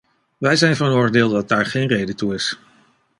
Wij zijn van oordeel dat daar geen reden toe is.